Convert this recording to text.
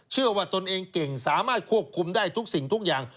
ตนเองเก่งสามารถควบคุมได้ทุกสิ่งทุกอย่าง